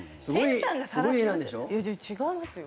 違いますよ。